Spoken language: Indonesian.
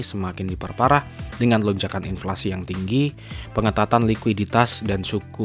semakin diperparah dengan lonjakan inflasi yang tinggi pengetatan likuiditas dan suku